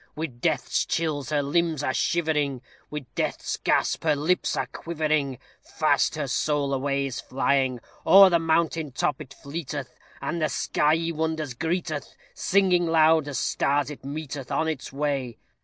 With death's chills her limbs are shivering, With death's gasp the lips are quivering, Fast her soul away is flying. O'er the mountain top it fleeteth, And the skyey wonders greeteth, Singing loud as stars it meeteth On its way.